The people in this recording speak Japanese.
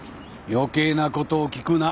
余計なことを聞くな。